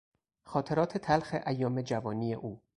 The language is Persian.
خاطرات تلخ ایام جوانی او